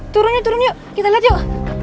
turun yuk turun yuk kita liat yuk